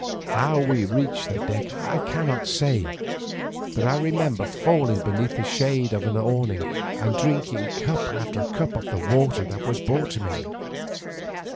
How we reached the deck I cannot say, but I remember falling beneath the shade of an awning and drinking cup after cup of the water that was brought to me.